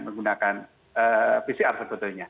menggunakan pcr sebetulnya